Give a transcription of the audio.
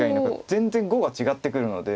全然碁が違ってくるので。